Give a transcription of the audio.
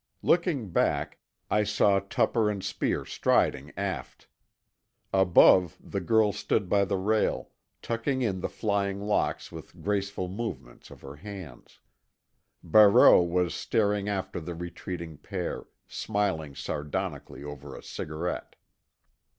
Looking back, I saw Tupper and Speer striding aft. Above, the girl stood by the rail, tucking in the flying locks with graceful movements of her hands. Barreau was staring after the retreating pair, smiling sardonically over a cigarette.